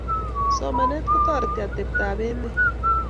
Somanet kotareti ateptab emet